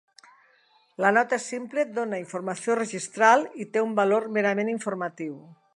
La nota simple dona informació registral i té un valor merament informatiu.